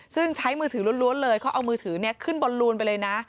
ซึ่งใช้มือถือล้วนเลยเขาเอามือถือขึ้นบอลลูนไปเลยนะ